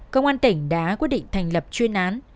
công an tỉnh đã quyết định thành lập chuyên án